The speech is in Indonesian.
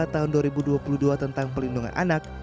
tahun dua ribu dua puluh dua tentang pelindungan anak